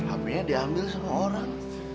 ambilnya diambil sama orang